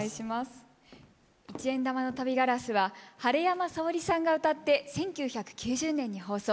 「一円玉の旅がらす」は晴山さおりさんが歌って１９９０年に放送。